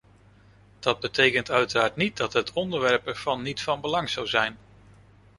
Dat betekent uiteraard niet dat het onderwerp ervan niet van belang zou zijn.